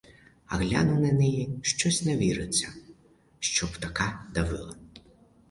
А гляну на неї — щось не віриться, щоб така давила.